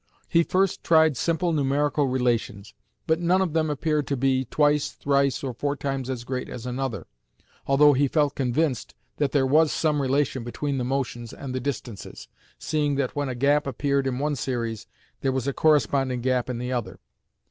He first tried simple numerical relations, but none of them appeared to be twice, thrice, or four times as great as another, although he felt convinced that there was some relation between the motions and the distances, seeing that when a gap appeared in one series, there was a corresponding gap in the other.